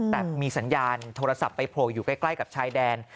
แต่มีสัญญาณโทรศัพท์ไปโผล่อยู่ใกล้กับชายแดน